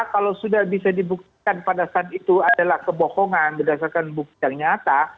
kalau sudah bisa dibuktikan pada saat itu adalah kebohongan berdasarkan bukti yang nyata